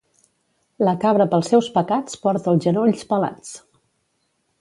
La cabra pels seus pecats porta els genolls pelats